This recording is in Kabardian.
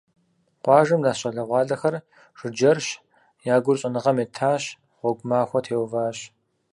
Къуажэм дэс щӀалэгъуалэхэр жыджэрщ, я гур щӀэныгъэм етащ, гъуэгу махуэ теуващ.